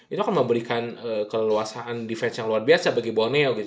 itu akan memberikan keleluasan defense yang luar biasa bagi borneo gitu